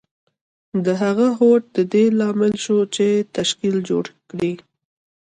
د هغه هوډ د دې لامل شو چې تشکیل جوړ کړي